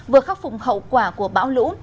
vừa khắc phục hậu quả của bão lũ